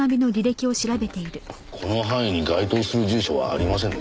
この範囲に該当する住所はありませんね。